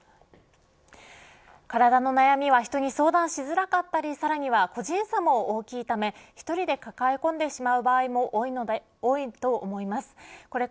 体の悩みは人に相談しづらかったりさらには個人差も大きいため１人で抱え込んでしまう場合も多いとは思います。